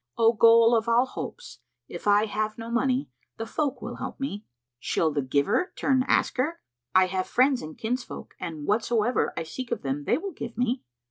"O goal of all hopes, if I have no money, the folk will help me." "Shall the giver turn asker?" "I have friends and kinsfolk, and whatsoever I seek of them, they will give me."